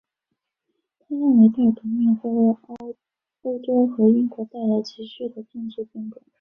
他认为大革命会为欧洲和英国带来急需的政治变革。